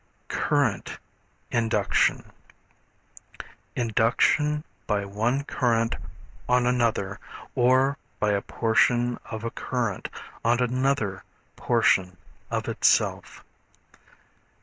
Current Induction. Induction by one current on another or by a portion of a current on another portion of itself.